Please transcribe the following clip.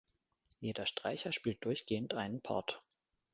Jeder Streicher spielt durchgehend einen Part.